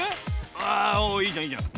あおおいいじゃんいいじゃん。